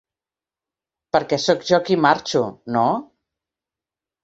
Perquè sóc jo qui marxo, no?